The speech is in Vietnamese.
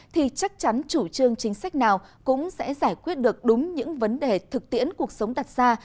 thì chắc chắn chủ trương chính sách nào cũng sẽ giải quyết được đúng những vấn đề thực tiễn cuộc sống đặt ra